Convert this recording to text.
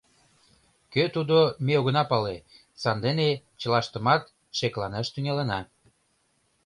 Кӧ тудо, ме огына пале, сандене чылаштымат шекланаш тӱҥалына.